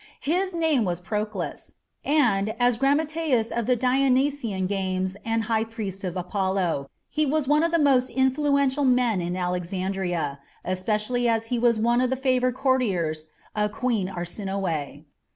His name was Proclus, and, as grammateus of the Dionysian games and high priest of Apollo, he was one of the most influential men in Alexandria, especially as he was one of the favoured courtiers of Queen Arsinoe.